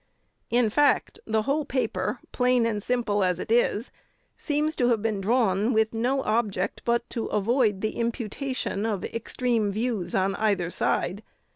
In fact, the whole paper, plain and simple as it is, seems to have been drawn with no object but to avoid the imputation of extreme views on either side.